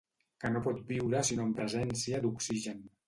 Que no pot viure sinó en presència d'oxigen.